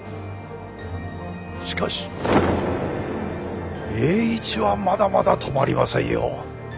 しかし栄一はまだまだ止まりませんよ。